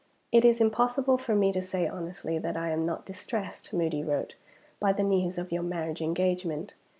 "It is impossible for me to say honestly that I am not distressed (Moody wrote) by the news of your marriage engagement.